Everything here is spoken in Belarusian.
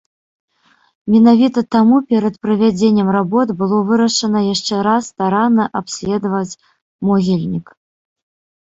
Менавіта таму перад правядзеннем работ было вырашана яшчэ раз старанна абследаваць могільнік.